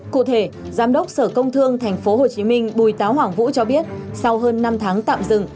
cụ thể giám đốc sở công thương tp hcm bùi táo hoàng vũ cho biết sau hơn năm tháng tạm dừng